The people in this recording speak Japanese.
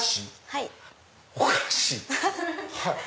はい。